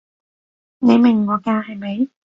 你明我㗎係咪？